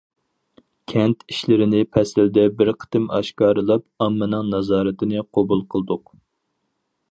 كەنت ئىشلىرىنى پەسىلدە بىر قېتىم ئاشكارىلاپ، ئاممىنىڭ نازارىتىنى قوبۇل قىلدۇق.